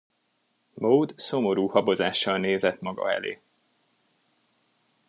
Maud szomorú habozással nézett maga elé.